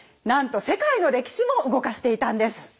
なんと世界の歴史も動かしていたんです。